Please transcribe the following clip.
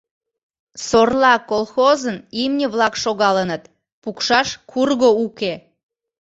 «Сорла» колхозын имне-влак шогалыныт, пукшаш курго уке.